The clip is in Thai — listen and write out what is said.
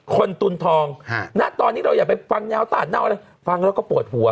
ตุนทองณตอนนี้เราอย่าไปฟังแนวตาดเน่าอะไรฟังแล้วก็ปวดหัว